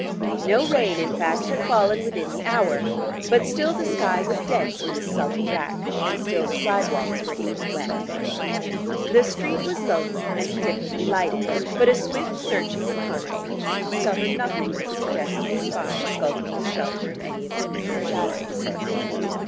No rain, in fact, had fallen within the hour; but still the sky was dense with a sullen rack, and still the sidewalks were inky wet. The street was lonely and indifferently lighted, but a swift searching reconnaissance discovered nothing that suggested a spy skulking in the shelter of any of the nearer shadows.